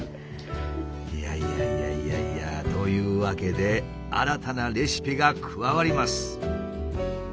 いやいやいやいやというわけで新たなレシピが加わります。